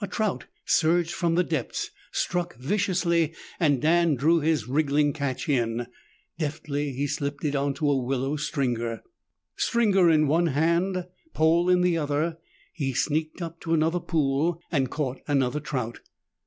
A trout surged from the depths, struck viciously, and Dan drew his wriggling catch in. Deftly he slipped it onto a willow stringer. Stringer in one hand, pole in the other, he sneaked up to another pool and caught another trout.